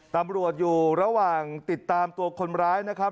ตำรวจอยู่ระหว่างติดตามตัวคนร้ายนะครับ